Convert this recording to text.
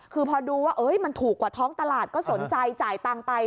คือพอดูว่ามันถูกกว่าท้องตลาดก็สนใจจ่ายตังค์ไป